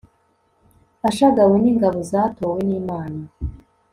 ashagawe n'ingabo zatowe n'imana